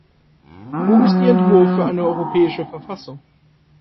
Wo ist Ihr Entwurf für eine europäische Verfassung?